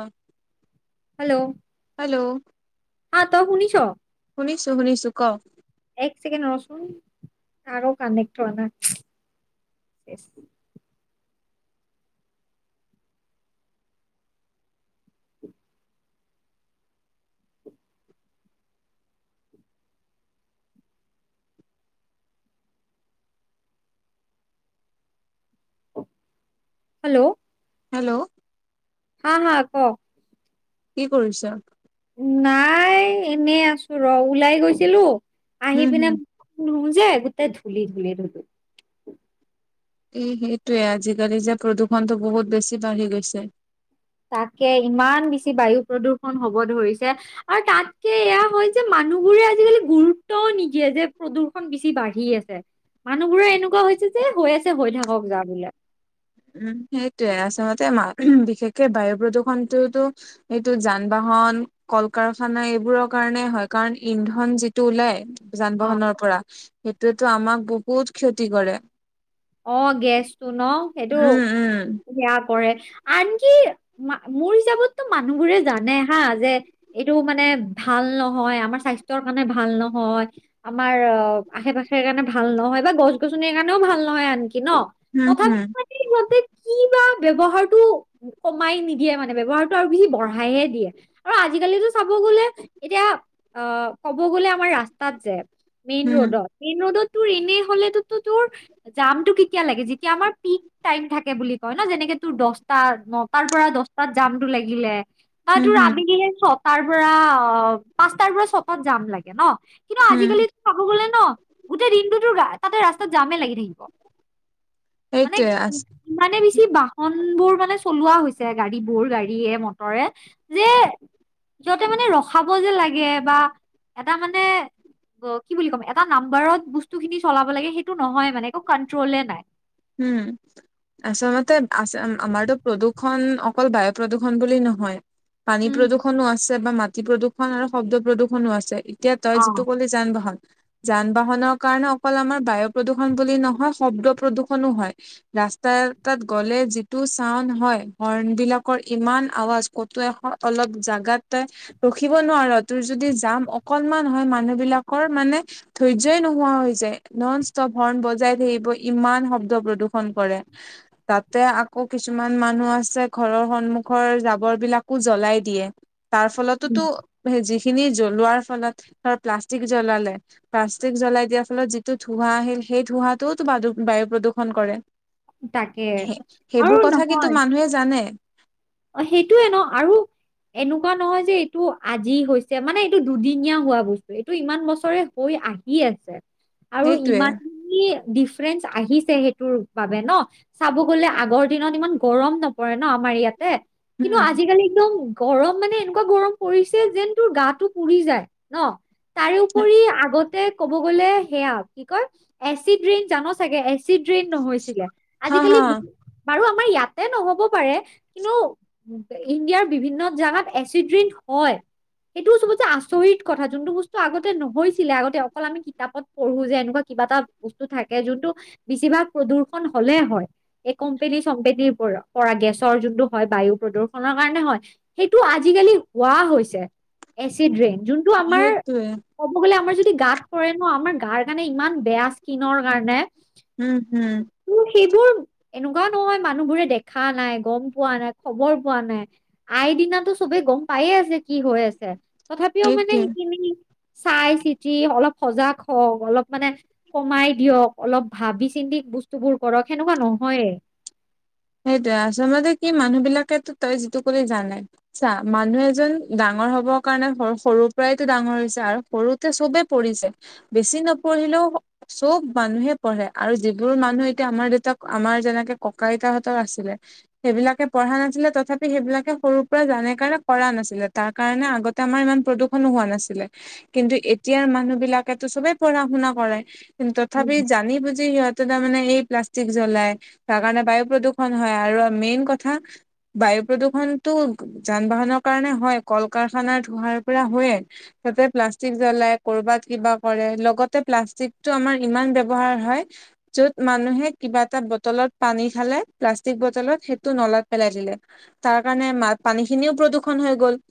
অ hello hello হা তই শুনিছ শুনিছো শুনিছো ক এক ছেকেণ্ড ৰচোন টাৱাৰ কানেক্ট হোৱা নাই হেল্ল হেল্ল হা হা ক কি কৰিছ নাই এনেই আছো ৰ ওলাই গৈছিলো আহি উম পিনে হুম। নুবুজে গোটেই ধূলি ধূলি ধূলি এ সেইটোৱে আজিকালি যে প্ৰদূষণটো বহুত বেছি বাঢ়ি গৈছে তাকে ইমান বেছি বায়ু প্ৰদূৰ্ষণ হব ধৰিছে আৰু তাতকে এয়া হয় যে মানুহবোৰে আজিকালি গুৰুত্বও নিদিয়ে যে প্ৰদূষণ বেছি বাঢ়ি আছে মানুহবোৰে এনেকুৱা হৈছে যে হৈ আছে হৈ থাক যা বোলে উম সেইটোয়ে আচলতে ওম বিশেষকে বায়ু প্ৰদূষণটোতো সেইটো যান বাহন কল কাৰখানা এইবোৰৰ কাৰণে হয় কাৰণ ইন্ধন যিটো ওলাই যান অ বাহনৰ পৰা সেইটোয়েতো আমাক বহুত ক্ষতি কৰে অ গেছটো ন সেইটো উম উম। বেয়া কৰে আনকি মোৰ হিচাপততো মানুহবোৰে জানে হা যে এইটো মানে ভাল নহয় আমাৰ স্বাস্থ্যৰ কাৰণে ভাল নহয় আমাৰ অ আশে পাশে কাৰণে ভাল নহয় বা গছ গছনিৰ কাৰণেও ভাল নহয় আনকি ন উম হুম তথাপিতো কি বা ব্যৱহাৰটো কমাই নিদিয়ে মানে ব্যৱহাৰটো আৰু বেছি বঢ়াইহে দিয়ে আৰু আজিকালিতো চাব গলে এতিয়া অ ক'ব গ'লে আমাৰ ৰাস্তাত যে মেইন হুম ৰোডত মেইন ৰোডত তোৰ এনেই হলেতো তোৰ জাম টো কেতিয়া লাগে যেতিয়া আমাৰ পিক টাইম থাকে বুলি কয় ন যেনেকে তোৰ দচটা নটাৰ পৰা দচটাত জামটো লাগিলে অ হুম তোৰ হুম। আবেলি ছটাৰ পৰা অ পাঁচটাৰ পৰা ছটাত যাম লাগে ন কিন্তু উম আজিকালিতো চাব গ'লে ন গোটেই দিনটো তোৰ তাতে ৰাস্তাত জামে লাগি থাকে মানেক সেইটোৱে আছ ইমানে বেছি বাহন বোৰ মানে চলোৱা হৈছে গাড়ী বোৰ গাড়ীয়ে, মটৰে যে সিহঁতে মানে ৰখাব যে লাগে বা এটা মানে কয় কি বুলি ক'ম এটা নাম্বাৰত বস্তু খিনি চলাব লাগে সেইটো নহয় মানে একো কন্ট্ৰলে নাই উম আচলতে আ আমাৰতো প্ৰদূৰ্ষন অকল বায়ু প্ৰদূৰ্ষণ বুলি নহয় পানী উম প্ৰদূ্ষনো আছে বা মাটি প্ৰদূৰণ আৰু শব্দ প্ৰদূৰনো আছে এতিয়া অ, তই যিটো ক'লি যান-বাহন, যান-বাহনৰ কাৰণে অকল আমাৰ বায়ু প্ৰদূষণ বুলি নহয় শব্দ প্ৰদূ প্ৰদূষনো হয় ৰাস্তা এতাত গ'লে যিটো চাউণ্ড হয়, হৰ্ণ বিলাকৰ ইমান আৱাজ কতো এখ অলপ জাগাটে ৰখিব নোৱাৰ তোৰ যদি যাম অকনমান হয় মানুহ বিলাকৰ মানে ধৈৰ্য্যই নোহোৱা হৈ যায় নন ষ্টপ হৰ্ণ বজাই থাকিব ইমান শ ব্দ প্ৰদূষণ কৰে তাতে আকৌ কিছুমান মানুহ আছে ঘৰৰ সন্মুখৰ জাবৰ বিলাকো জ্বলাই দিয়ে তাৰ উম, ফলতোতো সে যিখিনি জ্বলোৱাৰ ফলত, ধৰ প্লাষ্টিক জ্বলালে প্লাষ্টিক জ্বলাই দিয়াৰ ফলত যিটো ধোঁৱা আহিল সেই ধোঁৱাটো বাদু বায়ু প্ৰদূষণ কৰে। তাকে সে আৰু সেইবোৰ কথা কিন্তু নহয় মানুহে জানে অ সেইটোয়ে ন আৰু এনেকুৱা নহয় যে এইটো আজি হৈছে মানে এইটো দুদিনীয়া হোৱা বস্তু এইটো ইমান বছৰে হৈ আহি আছে আৰু সেইটোৱে ইমান কি ডিফেৰেন্স আহিছে সেইটোৰ বাবে ন চাব গলে আগৰ দিনত ইমান গৰম নপৰে ন আমাৰ ইয়াতে কিন্তু উম। আজিকালি একদম গৰম মানে এনেকুৱা গৰম পৰিছে যেন তোৰ গাটো পুৰি যায় ন তাৰ ওপৰি আগতে ক'ব গ'লে সেয়া কি কয় এচিড ৰিন জান চাগে এজ এচিড ৰেইন নহৈছিলে হা হা আজিকালি ব বাৰু আমাৰ ইয়াতে নহ'ব পাৰে কিন্তু ইণ্ডিয়াৰ বিভিন্ন জাগাত এচিড ৰিণ্ হয় এইটোও চবত চে আচৰিত কথা যোনটো বস্তু আগতে নহৈছিলে আগতে অকল আমি কিতাপত পঢ়ো যে এনেকুৱা কিবা এটা বস্তু থাকে যোনটো বেছিভাগ প্ৰদূ্ষন হলে হয় এই কোম্পেনী-চম্পেনীৰ পৰা গেছৰ যোনটো হয় বায়ু প্ৰদূষণৰ কাৰণে হয়। সেইটো আজিকালি হোৱা হৈছে এচিড ৰেইন যোন টো আমাৰ সেইটোৱে ক'ব গলে আমাৰ যদি গাত পৰে ন আমাৰ গাৰ কাৰণে ইমান বেয়া স্কিনৰ কাৰণে উম হুম ত সেইবোৰ এনেকুৱাও নহয় মানুহবোৰে দেখা নাই গম পোৱা নাই, খবৰ পোৱা, নাই আই দিনাটো চবেই গম পায়ে আছে কি হৈ আছে তথাপিও মানে সেইটোৱে। সেইখিনি চাই চিতি অলপ সজাগ হওঁক অলপ মানে কমাই দিয়ক অলপ ভাবি চিন্তি বস্তুবোৰ কৰক সেনেকুৱা নহয়ে। সেইটোয়ে আচলতে কি মানুহ বিলাকেটো তই যিটো কলি জানে ছা মানুহ এজন ডাঙৰ হব কাৰণে সৰুৰ পৰাইতো ডাঙৰ হৈছে আৰু সৰুত তে চবেই পঢ়িছে বেছি নপঢ়িলও চব মানুহে পঢ়ে আৰু যিবোৰ মানুহ এতিয়া আমাৰ দেতাক আমাৰ যেনেকে ককা-আইতাহত ৰ আছিলে সেইবিলাকে পঢ়া নাছিলে তথাপি সেইবিলাকে সৰুৰ পৰা জানে কাৰণে কৰা নাছিলে তাৰ কাৰণে আগত তে আমাৰ ইমান প্ৰদূৰ্ষনো হোৱা নাছিলে কিন্তু এতিয়াৰ মানুহবিলাকেটো সবেই পঢ়া-শুনা কৰে। তথাপি উম জানি বুজি সিহঁতে তাৰ মমানে এই প্লাষ্টিক জ্বলাই তাৰ কাৰণে বায়ু প্ৰদূষ হয়-হয়, আৰু মেইন কথা- বায়ু প্ৰদূৰণটো যান-বাহনৰ কাৰণে হয়, কল কাৰখানা ধোঁহাৰ পৰা হয়য়ে। তা'তে প্লাষ্টিক জ্বলাই কৰ'বাত কিবা কৰে, লগতে প্লাষ্টিকটো আমাৰ ইমান ব্যৱহাৰ হয়। য'ত মানুহে কিবা এটা বটলত পানী খালে- প্লাষ্টিক বটলত সেইটো নলাত পেলাই দিলে। তাৰ কাৰণে পানীখিনিও প্ৰদূষণ হৈ গ'ল।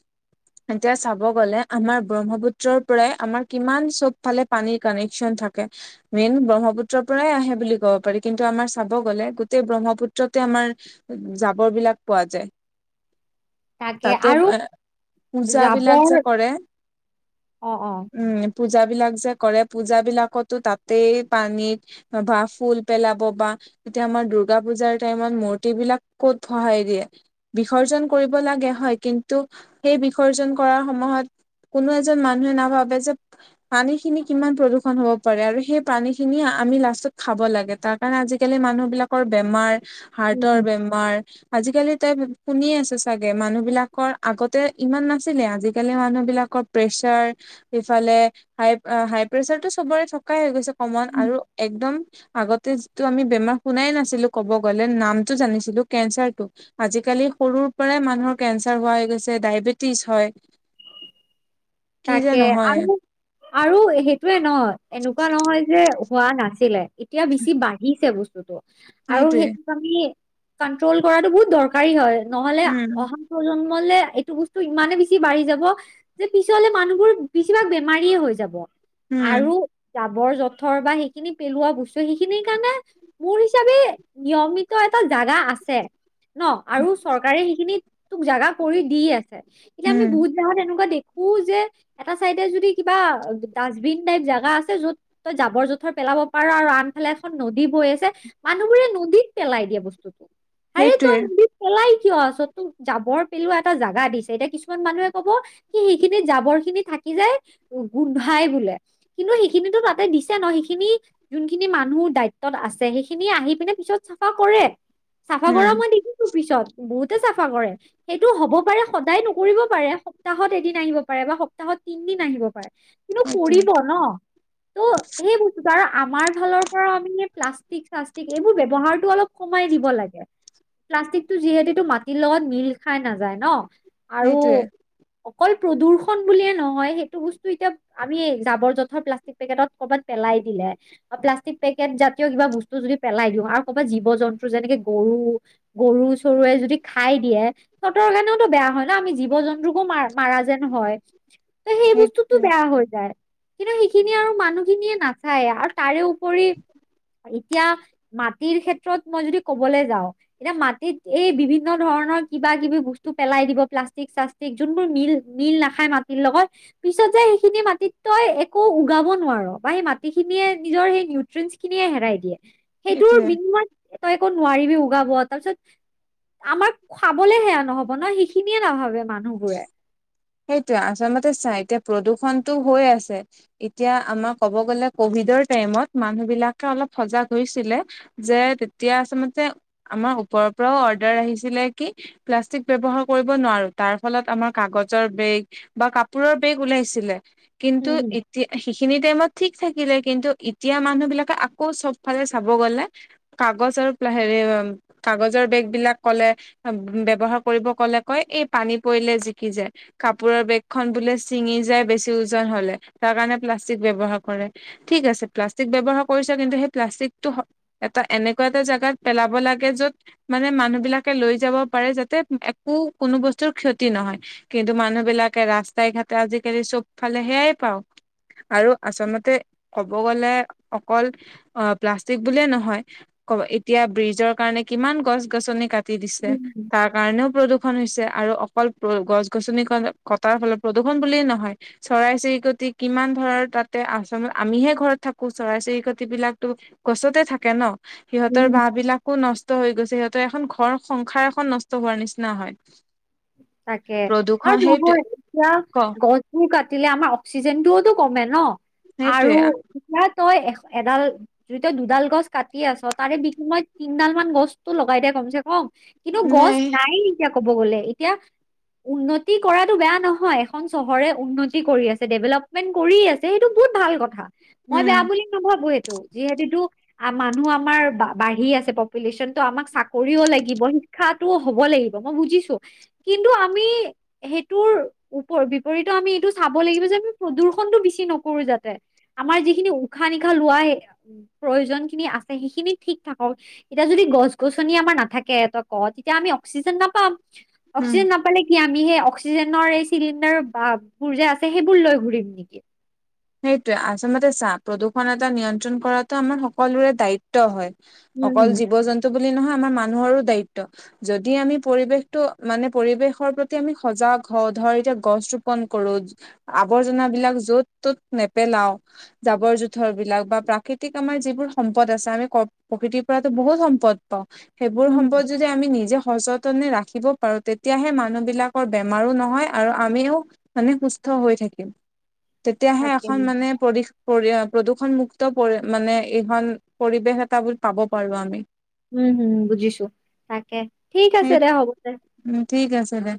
এতিয়া চাব গ'লে আমাৰ ব্ৰহ্মপুত্ৰৰ পৰাই আমাৰ কিমান চব ফালে- পানীৰ কাৰেণচন থাকে। মেইন ব্ৰহ্মপুত্ৰৰ পৰাই আহে বুলি ক'ব পাৰি, কিন্তু আমাৰ চাব গ'লে গোটেই ব্ৰহ্মপুত্ৰ- তে আমাৰ জাবৰ বিলাক পোৱা যায়। তাকে তা'তে আৰু পূজা বিলাক জাবৰ যে কৰে অ অ উমঁ। পূজাবিলাক যে কৰে পূজাবিলাকতো তাতেই পানীত বা ফুল পেলাব বা তেতিয়া আমাৰ দুৰ্গা পুজাৰ- টাইত মূৰ্ত বিলাক ক'ত গহাই দিয়ে। বিসৰ্জন কৰিব লাগে হয় কিন্তু সেই বিসৰ্জন কৰাৰ সময়ত- কোনো এজন মানুহে নাভাবে যে- পানীখিনি কিমান প্ৰদূষণ হ'ব পাৰে, আৰু সেই পানীখিনি আমি লাষ্টত খাব লাগে তা'ত। কাৰণ আজিকালি মানুহ বিলাকৰ বেমাৰ, হাৰ্টৰ উম বেমাৰ- আজিকালি তাই শুনি আছে, চাগে। মানুহবিলাকৰ আগতে ইমান নাছিলে, আজিকালি মানুহবিলাকৰ- প্ৰেছাৰ- ইফালে হাই, হাই প্ৰেচাৰতটো চবৰে থকাই হৈ গৈছে, কমন আৰু একদম। আগতে যিটো আমি বেমাৰ শুনাই নাছিলোঁ ক'ব গ'লে নামটো জানিছিলোঁ -কেঞ্চাৰটো। আজিকালি সৰুৰ পৰাই মানুহৰ কেঞ্চাৰ হোৱা হৈ গৈছে, ডায়েবেটিছ হয়। [inaudible] তাকে, নহয় আৰু-আৰু সেইটোয়ে ন, এনেকুৱা নহয় যে হোৱা নাছিলে। এতিয়া বেছি বাঢ়িছে বস্তুতটো, আৰু সেইটোৱে সেইটোক আমি কন্ট্ৰল কৰাটো বহুত দৰকাৰ। হয়, নহ'লে উম অহা প্ৰজন্মলে এইটো বস্তু ইমানে বেছি বাঢ়ি যাব, যে পিছ- পিছলৈ মানুহবোৰ বেছিভাগ বেমাৰীয়ে হৈ যাব, উম আৰু- জাবৰ-জোঁথৰ বা সেইখিনি পেলোৱা বস্তু সেইখিনিৰ কাৰণে- মোৰ হিচাপে নিয়মিত এটা জাগা আছে। ন' আৰু চৰকাৰে সেইখিনিত জাগা কৰি দি আছে। এতিয়া আমি উম বহুত দাহত এনেকুৱা দে- শু যে এটা চাইডে যদি কিবা ডাষ্টবিন টাইপ জোগা আছে য'ত তই জাবৰ-জোঁথৰ পেলাব পাৰা আৰু আনফালে এখন নদী বৈ আছে- মানুহবোৰে নদীত পেলাই দিয়ে বস্তুতটো। আৰে সেইটোৱে তই নদীত- পেলাই কিয় আছ? যাবৰ পেলোৱা এটা জেগা দিছে। এতিয়া কিছুমান মানুহে ক'ব- কি, সেইখিনি জাবৰখিনি থাকি যায়, গোন্ধায় বোলে। কিন্তু সেইখিনিতো তা'তে দিছে ন' সেইখিনি- যোনখিনি মানুহ দায়িত্বত আছে সেইখিনি আহি পিনে পিছত চাফা কৰে, চাফা উম কৰা মই- দেখিছো পিছত বহুতে চাফা কৰে, সেইটো হ'ব পাৰে সদায় নকৰিব পাৰে। সপ্তাহত এদিন আহিব পাৰে বা সপ্তাহত তিনিদিন আহিব পাৰে, কিন্তু সেইটোৱে কৰিব ন। [unintelligible] সেইবোৰ আমাৰ ফালৰ পৰা আমি প্লাষ্টিক-চাষ্টিক এইবোৰ ব্যৱহাৰটো অলপ কমাই দিব লাগে। প্লাষ্টিকটো যিহেতুটো মাটিৰ লগত মিল খাই নাযায় ন। আৰু সেইটোৱে। অকল প্ৰদূষণ বুলিয়েই নহয়, সেইটো বস্তু এতিয়া আমি জাবৰ-জোঁথৰ প্লাষ্টিক পেকেট কৰবাত পেলাই দিলে প্লাষ্টিক পেকেট জাতীয় কিবা বস্তু যদি পেলাই দিওঁ আৰু ক'বাত জীৱ-জন্তু যেনেকে গৰু গৰু-চৰুৱে যদি খাই দিয়ে সিহঁতৰ কাৰণেওতো বেয়া হয় ন? আমি জীৱ-জন্তুক মাৰা-মাৰা যেন হয়, ত সেই বস্তুটো বেয়া হৈ যায়। কিন্তু সেইখিনি আৰু মানুহখিনিয়ে নাচায়, আৰু তাৰে উপৰি এতিয়া মাটিৰ ক্ষেত্ৰত মই যদি কবলৈ যাওঁ এতিয়া মাটিত এই বিভিন্ন ধৰণৰ কিবা কিবি বস্তু পেলাই দিব, প্লাষ্টিক চা যোনবোৰ মিল মিল নাখায় মাটিৰ লগত পিছত যে সেইখিনি মাটিত তই একো উগাব নোৱাৰোঁ, বা সেই মাটিখিনিয়ে নিজৰ সেই খিনিয়ে হেৰাই দিয়ে, সেইটোৰ সেইটোৱে বিনিময়ত তই একো নোৱাৰিবি উগাব, তাৰপিছত আমাৰ খাবলৈ সেয়া নহ'ব ন সেইখিনিয়ে নাভাবে মানুহবোৰে। সেইটোৱে আচলতে চা এতিয়া প্ৰদূৰ্ষণটো হৈ আছে এতিয়া আমাৰ ক'ব গ'লে কভিডৰ টাইমত মানুহ বিলাকে অলপ সজাগ হৈছিলে যে তেতিয়া আচলতে আমাৰ ওপৰৰ পৰাও অৰ্ডাৰ আহিছিলে কি প্লাষ্টিক ব্যৱহাৰ কৰিব নোৱাৰো তাৰ ফলত আমাৰ কাগজৰ বেগ বা কাপোৰৰ বেগ ওলাইছিলে, কিন্তু উম, উম, সেইখিনি টাইমত ঠিক থাকিলে, কিন্তু এতিয়া মানুহবিলাকে আকৌ চবফালে চাব গ'লে কাগজৰ [unintelligible] কাগজৰ বেগবিলাক ক'লে ব্যৱহাৰ কৰিব ক'লে কয়, এই পানী পৰিলে জিকি যায়। কাপোৰৰ বেগখন বোলে ছিঙি যায় বেছি ওজন হ'লে, তাৰ কাৰণে প্লাষ্টিক ব্যৱহাৰ কৰে। ঠিক আছে, প্লাষ্টিক ব্যৱহাৰ কৰিছে কিন্তু সেই প্লাষ্টিকটো এটা এনেকুৱা এটা জাগাত পেলাব লাগে য'ত মানে মানুহ বিলাকে লৈ যাব পাৰে যাতে একো কোনো বস্তু কোনো ক্ষতি নহয়, কিন্তু মানুহ বিলাকে ৰাস্তাই ঘাটে আজিকালি চব ফালে সেয়াই পাওঁ। আৰু আচলতে ক'ব গ'লে অকল অ প্লাষ্টিক বুলিয়ে নহয় ক এতিয়া ব্ৰিজৰ কাৰণে কিমান গছ-গছনি কাটি দিছে উম, তাৰ কাৰণেও প্ৰদূষণ হৈছে। আৰু অকল গছ-গছনি ক-কটাৰ ফলত প্ৰদূষণ বুলিয়েই নহয় চৰাই-চিৰিকটি কিমান ধৰ তাতে আছে আমিহে ঘৰত থাকো চৰাই চিৰিকটি বিলাকতো গছতে থাকে ন, সিহঁতৰ উম। বাঁহ বিলাক নষ্ট হৈ গৈছে সিহঁতৰ এখন ঘৰ সংসাৰ এখন নষ্ট হোৱাৰ নিচিনা হয়। তাকে প্ৰদূষণ আৰু সেইটোৱে নহয় এতিয়া ক গছ বোৰ কাটিলে আমাৰ অক্সিজেন টোওতো কমে ন সেইটোৱে আৰু না তই এশ এডাল যদি তই দুডাল গছ কাটি আছো তাৰে বিষময়ত তিনডাল মান গছতো লগাই দে কমছে কম। কিন্তু গছ নাই নাইয়ে এতিয়া ক'ব গ'লে এতিয়া উন্নতি কৰাতটো বেয়া নহয়। এখন চহৰে উন্নতি কৰি আছে, ডেভেলপমেন্ট কৰি আছে সেইটো বহুত ভাল কথা, মই উম বেয়া বুলি নাভাবোঁ সেইটো, যিহেতু মানুহ আমাৰ বা বাঢ়ি আছে, পপুলেশ্যনতো আমাক চাকৰিও লাগিব শিক্ষাতোও হ'ব লাগিব মই বুজিছো। কিন্তু আমি সেইটোৰ ওপৰ বিপৰীতো আমি এইটো চাব লাগিব যে আমি প্ৰদূৰ্ষনটো বেছি নকৰো যাতে। আমাৰ যিখিনি উশাহ-নিশাহ লোৱাই প্ৰয়োজন খিনি আছে সেইখিনি ঠিক থাকক এতিয়া যদি গছ-গছনি আমাৰ নাথাকে তই কওঁ তেতিয়া আমি অক্সিজেন নাপাম। হম অক্সিজেন নাপালে কি আমি সেই অক্সিজেনৰ এই চিলিণ্ডাৰ বা বোৰ যে আছে সেইবোৰ লৈ ঘুৰিম নেকি? সেইতোৱে আচলতে চা প্ৰদূৰ্ষণ এটা নিয়ন্ত্ৰণ কৰাটো আমাৰ সকলোৰে দায়িত্ব হয়। উম, অকল উম, জীৱ জন্তু বুলি নহয় আমাৰ মানুহৰো দায়িত্ব যদি আমি পৰিৱেশটো মানে পৰিৱেশৰ প্ৰতি আমি সজাগ হওঁ ধৰ এতিয়া গছ ৰোপন কৰো আৱৰ্জনাবিলাক য'ত ত'ত নেপেলাওঁ জাবৰ জোথৰ বিলাক বা প্ৰাকৃতিক আমাৰ যিবোৰ সম্পদ আছে আমি ক প্ৰকৃতিৰ পৰাতো বহুত সম্পদ পাওঁ সেইবোৰ উম, সম্পদ যদি যদি আমি নিজে সচতনে ৰাখিব পাৰো তেতিয়াহে মানুহ বিলাকৰ বেমাৰো নহয় আৰু আমিও মানে সুস্থ হৈ থাকিম তেতিয়াহে তাকে এখন মানে প্ৰৰিষ প্ৰৰিয়া প্ৰদূষণমুক্ত পৰি মানে এইখন পৰিৱেশ এটা বুলি পাব পাৰো আমি উম হম বুজিছো তাকে ঠিক আছে দে হ'ব দে উম ঠিক আছে দে